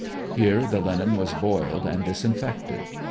Here the linen was boiled and disinfected.